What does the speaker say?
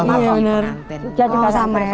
sama hanya yang beda telornya